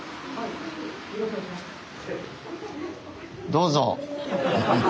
どうぞ。